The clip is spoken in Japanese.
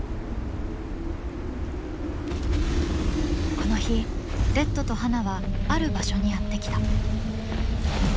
この日レッドとハナはある場所にやって来た。